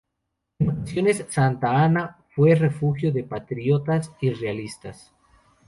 En ocasiones Santa Ana fue refugio de patriotas y realistas.